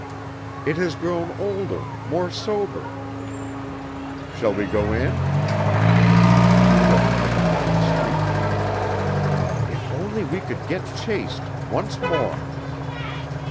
"It has grown older more sober." "Shall we go in?" She looked up and down the street. "If only we could get chased once more!"